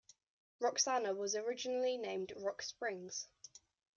Roxana was originally named Rock Springs.